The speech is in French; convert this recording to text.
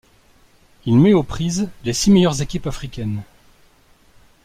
Il met aux prises les six meilleures équipes africaines.